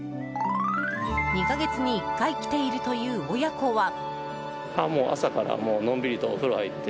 ２か月に１回来ているという親子は。